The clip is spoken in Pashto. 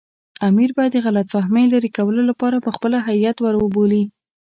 امیر به د غلط فهمۍ لرې کولو لپاره پخپله هیات ور وبولي.